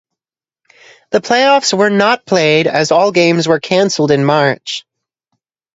The playoffs were not played as all games were cancelled in March.